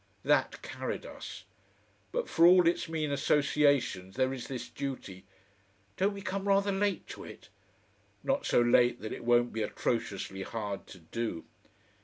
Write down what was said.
That carried us. But for all its mean associations there is this duty.... "Don't we come rather late to it?" "Not so late that it won't be atrociously hard to do."